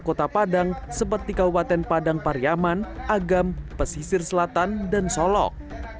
kota padang seperti kabupaten padang pariaman agam pesisir selatan dan solok